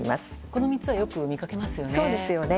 この３つはよく見かけますよね。